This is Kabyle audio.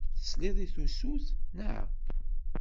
Tesliḍ i tusut, naɣ?